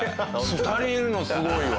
２人いるのすごいわ。